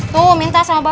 tuh minta sama bapak